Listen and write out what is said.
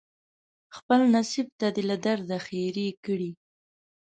خپل نصیب ته دې له درده ښیرې کړي